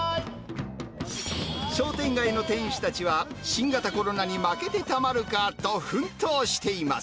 商店街の店主たちは、新型コロナに負けてたまるかと、奮闘しています。